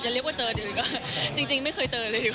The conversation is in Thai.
ก็เรียกว่าเจอดีกว่าจริงไม่เคยเจอดีกว่า